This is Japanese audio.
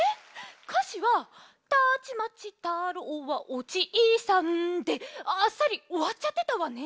かしは「たちまち太郎はおじいさん」であっさりおわっちゃってたわね。